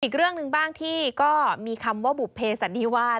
อีกเรื่องหนึ่งบ้างที่ก็มีคำว่าบุภเพสันนิวาส